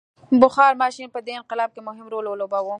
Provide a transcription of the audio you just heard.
بخار ماشین په دې انقلاب کې مهم رول ولوباوه.